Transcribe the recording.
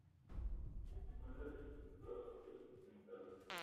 Se encuentra desde los Estados Unidos hasta Nicaragua.